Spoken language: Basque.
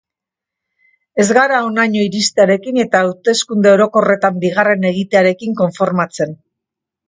Ez gara honaino iristearekin eta hauteskunde orokorretan bigarren egitearekin konformatzen.